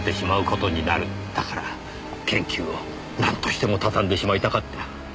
だから研究をなんとしてもたたんでしまいたかった。